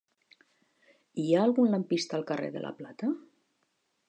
Hi ha algun lampista al carrer de la Plata?